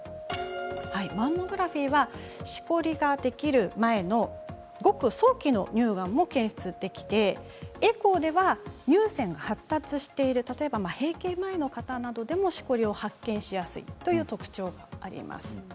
マンモグラフィーはしこりができる前のごく早期の乳がんも検出できてエコーでは乳腺が発達している例えば、閉経前の方でもしこりを発見しやすいという特徴があります。